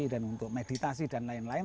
dan untuk meditasi dan lain lain